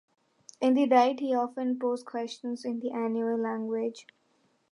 In the Diet, he often posed questions in the Ainu language.